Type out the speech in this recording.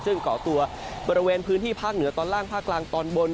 ซึ่งเกาะตัวบริเวณพื้นที่ภาคเหนือตอนล่างภาคกลางตอนบน